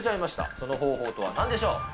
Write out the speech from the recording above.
その方法とはなんでしょう？